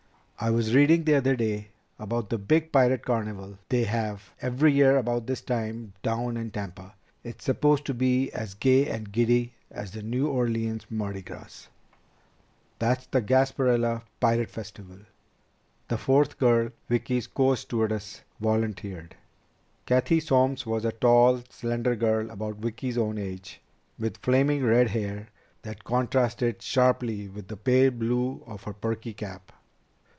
I was reading the other day about the big pirate carnival they have every year about this time down in Tampa. It's supposed to be as gay and giddy as the New Orleans Mardi Gras." "That's the Gasparilla Pirate Festival," the fourth girl, Vicki's co stewardess, volunteered. Cathy Solms was a tall, slender girl about Vicki's own age, with flaming red hair that contrasted sharply with the pale blue of her perky cap.